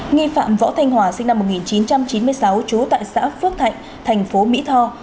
nghi phạm võ thanh hòa sinh năm một nghìn chín trăm chín mươi sáu trú tại xã phước thạnh thành phố mỹ tho